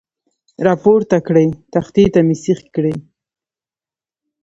را پورته کړې، تختې ته مې سیخې کړې.